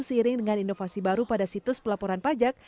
seiring dengan inovasi baru pada situs pelaporan pajak